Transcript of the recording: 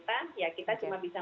yang sudah dilakukan oleh pemerintah